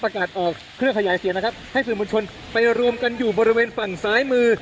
ออกเครื่องขยายเสียงนะครับให้สื่อมวลชนไปรวมกันอยู่บริเวณฝั่งซ้ายมือ